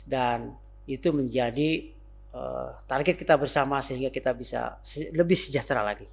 dan itu menjadi target kita bersama sehingga kita bisa lebih sejahtera lagi